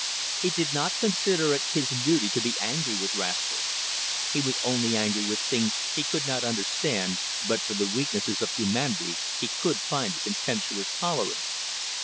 He did not consider it his duty to be angry with rascals. He was only angry with things he could not understand, but for the weaknesses of humanity he could find a contemptuous tolerance.